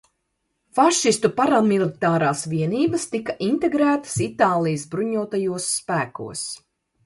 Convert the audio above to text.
Fašistu paramilitārās vienības tika integrētas Itālijas bruņotajos spēkos.